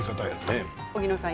荻野さん